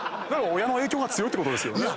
親の影響が強いってことですよね。